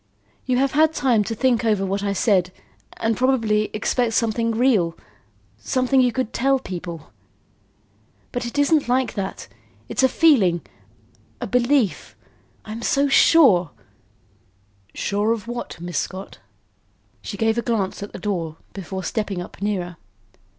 "You have had time to think over what I said and probably expect something real, something you could tell people. But it isn't like that. It's a feeling a belief. I'm so sure " "Sure of what, Miss Scott?" She gave a glance at the door before stepping up nearer.